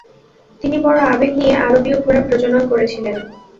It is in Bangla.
তিনি বড় আবেগ নিয়ে আরবীয় ঘোড়া প্রজনন করেছিলেন।